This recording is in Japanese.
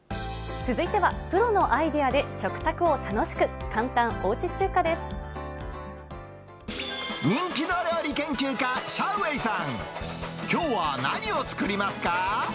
続いては、プロのアイデアで食卓を楽しく、人気の料理研究家、シャウ・ウェイさん。きょうは何を作りますか？